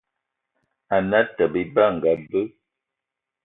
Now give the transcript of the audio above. Ane Atёbё Ebe anga be